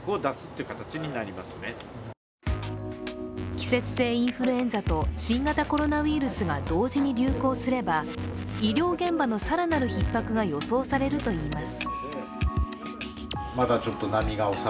季節性インフルエンザと新型コロナウイルスが同時に流行すれば、医療現場の更なるひっ迫が予想されるといいます。